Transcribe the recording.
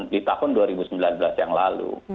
di tahun dua ribu sembilan belas yang lalu